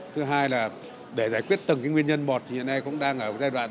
thứ hai là để giải quyết từng nguyên nhân một thì hiện nay cũng đang ở giai đoạn